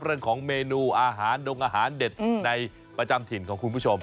เรื่องของเมนูอาหารดงอาหารเด็ดในประจำถิ่นของคุณผู้ชม